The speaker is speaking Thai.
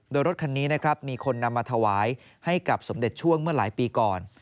โดยรถคันนี้นะครับมีคนนำมาถวายให้กับสมเด็จช่วงเมื่อหลายปีก่อน